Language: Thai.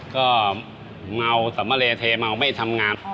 ก็เมาสัมมะเลเทเมาไม่ทำงาน